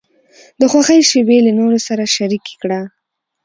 د خوښۍ شیبې له نورو سره شریکې کړه.